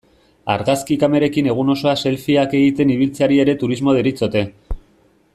Argazki kamerekin egun osoa selfieak egiten ibiltzeari ere turismo deritzote.